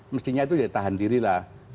mestinya itu ya tahan diri lah